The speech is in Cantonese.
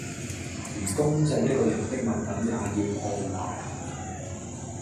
連公祭一個人的物品也要破壞